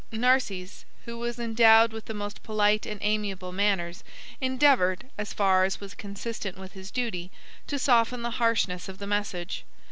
Narses, who was endowed with the most polite and amiable manners, endeavored, as far as was consistent with his duty, to soften the harshness of the message.